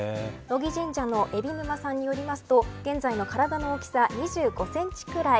野木神社の海老沼さんによると現在の体の大きさは２５センチくらい。